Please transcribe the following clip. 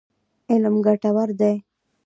علم ګټور دی.